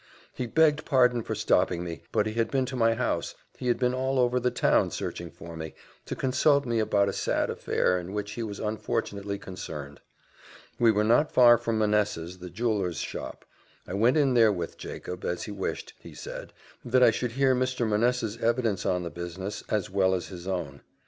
He begged pardon for stopping me, but he had been to my house he had been all over the town searching for me, to consult me about a sad affair, in which he was unfortunately concerned. We were not far from Manessa's, the jeweller's shop; I went in there with Jacob, as he wished, he said, that I should hear Mr. Manessa's evidence on the business, as well as his own.